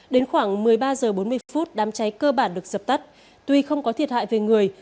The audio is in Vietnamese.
đến khoảng một mươi ba h bốn mươi đám cháy cơ bản được dập tắt tuy không có thiệt hại về người